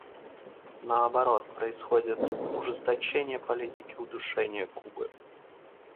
Наоборот, происходит ужесточение политики удушения Кубы.